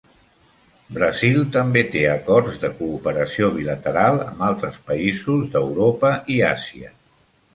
Brasil també té acords de cooperació bilateral amb altres països d"Europa i Àsia.